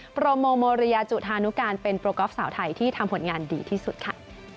โปรโมโมเรียจุธานุการเป็นโปรกอล์ฟสาวไทยที่ทำผลงานดีที่สุดค่ะ